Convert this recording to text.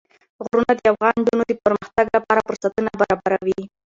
غرونه د افغان نجونو د پرمختګ لپاره فرصتونه برابروي.